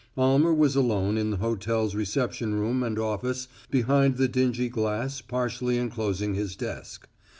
Almer was alone in the hotel's reception room and office behind the dingy glass partially enclosing his desk.